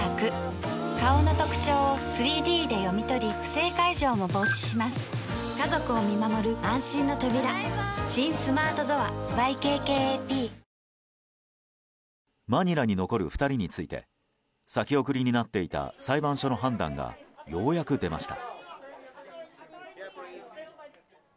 警視庁は今後一連の強盗事件とのマニラに残る２人について先送りになっていた裁判所の判断がようやく出ました。